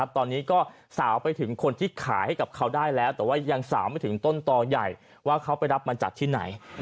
ตอนนี้ก็สาวไปถึงคนที่ขายให้กับเขาได้แล้วแต่ว่ายังสาวไม่ถึงต้นต่อใหญ่ว่าเขาไปรับมาจากที่ไหน